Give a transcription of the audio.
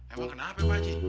emang kenapa ya pakji